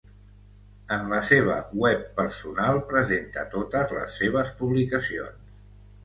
En la seva web personal presenta totes les seves publicacions.